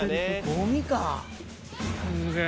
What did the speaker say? ゴミか。